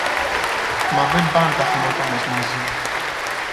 Μα δεν παν τα χνώτα μας μαζί